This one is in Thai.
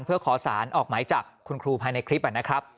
เพื่อขอสารออกหมายจับคุณครูภายในคลิปนะครับ